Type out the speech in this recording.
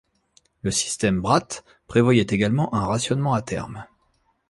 Le système Bratt prévoyait également un rationnement à terme.